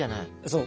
そう。